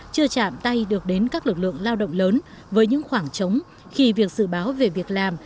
chưa chạm tay được đến các lực lượng lao động lớn với những khoảng trống khi việc dự báo về việc làm